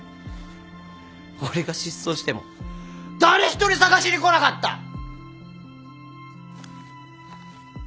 俺が失踪しても誰一人捜しに来なかった！